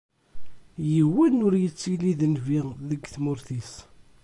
Yiwen ur yettili d nnbi deg tmurt-is.